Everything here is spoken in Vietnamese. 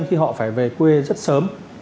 khi họ phải về quê rất sớm